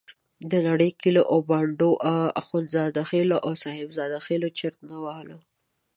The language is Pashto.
د نږدې کلیو او بانډو اخندزاده خېلو او صاحب زاده خېلو چرت نه وهلو.